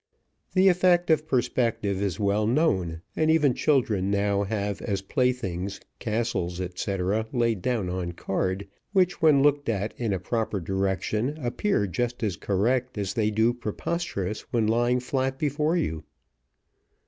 The effect of perspective is well known, and even children now have as playthings, castles, &c., laid down on card, which, when looked at in a proper direction, appear just as correct as they do preposterous when lying flat before you.